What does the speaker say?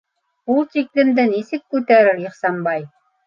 Ул тиклемде нисек күтәрер Ихсанбай?!